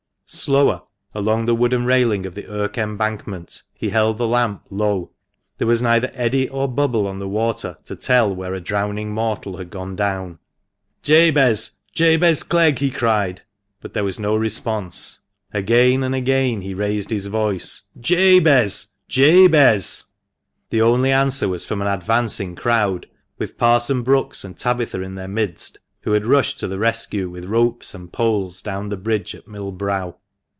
Slower, along the wooden railing of the Irk embankment, he held the lamp low. There was neither eddy or bubble on the water to tell where a drowning mortal had gone down. " Jabez ! Jabez Clegg !" he cried, but there was no response. Again and again he [raised his voice —" Jabez ! Jabez !" The THE MANCHESTER MAN. 115 only answer was from an advancing crowd, with Parson Brookes and Tabitha in their midst, who had rushed to the rescue with ropes and poles down the bridge at Mill Brow.